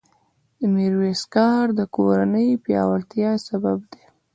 د میرمنو کار د کورنۍ پیاوړتیا سبب دی.